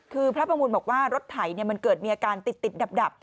คือพระประมูลบอกว่ารถไถมันเกิดมีอาการติดดับ